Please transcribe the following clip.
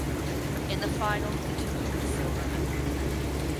In the final he took home the silver medal.